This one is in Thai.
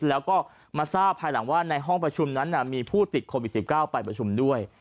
แล้วก็มาทราบภายหลังว่าในห้องประชุมนั้นมีผู้ติดโควิด๑๙ไปประชุมด้วย